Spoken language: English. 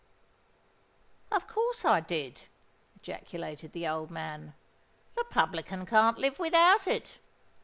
"Of course I did!" ejaculated the old man. "The publican can't live without it.